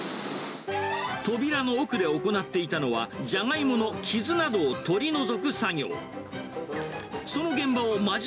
扉の奥で行っていたのは、ジャガイモの傷などを取り除く作業。